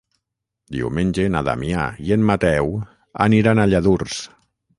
Diumenge na Damià i en Mateu aniran a Lladurs.